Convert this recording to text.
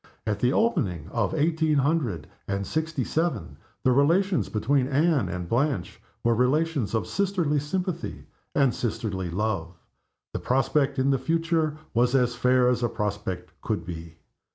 At the opening of eighteen hundred and sixty seven the relations between Anne and Blanche were relations of sisterly sympathy and sisterly love. The prospect in the future was as fair as a prospect could be.